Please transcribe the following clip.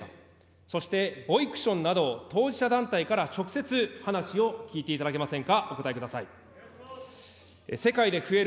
そしてＶＯＩＣＴＩＯＮなど当事者団体から直接、話を聞いていただけませんか。